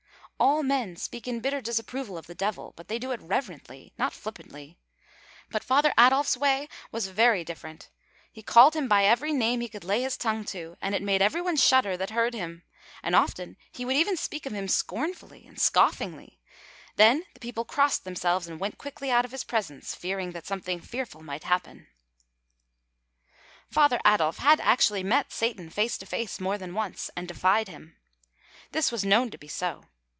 All men speak in bitter disapproval of the Devil, but they do it reverently, not flippantly; but Father Adolf’s way was very different; he called him by every name he could lay his tongue to, and it made every one shudder that heard him; and often he would even speak of him scornfully and scoffingly; then the people crossed themselves and went quickly out of his presence, fearing that something fearful might happen. Father Adolf had actually met Satan face to face more than once, and defied him. This was known to be so.